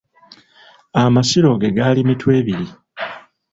Amasiro ge gali Mitwebiri.